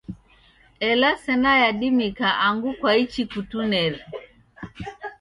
Ela sena yadimika angu kwaichi kutineri.